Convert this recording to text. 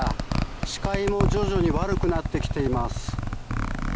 視界も徐々に悪くなってきています。